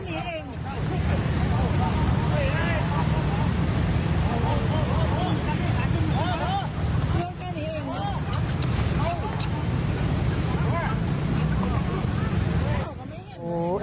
เลือกแก่หนีเอง